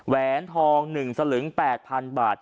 แหวนทองหนึ่งสลึง๘๐๐๐บาท